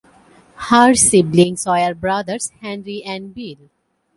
Her siblings were brothers Henry and Bill.